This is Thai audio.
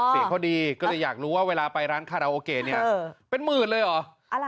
เสียงเขาดีก็เลยอยากรู้ว่าเวลาไปร้านคาราโอเกะเนี่ยเป็นหมื่นเลยเหรอ